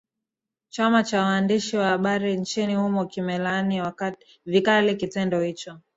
chama cha waandishi wa habari nchini humo kimelaani vikali kitendo hicho